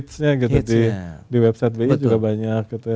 di website bi juga banyak gitu ya